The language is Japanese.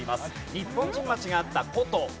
日本人町があった古都。